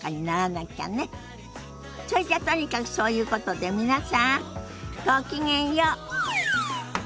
そいじゃとにかくそういうことで皆さんごきげんよう。